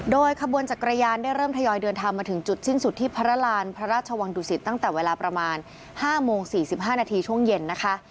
โดยขบวนจักรยานได้เริ่มทยอยเดินทางมาถึงจุดสิ้นสุดที่พระราณพระราชวังดุสิตตั้งแต่เวลาประมาณ๕โมง๔๕นาทีช่วงเย็นนะคะ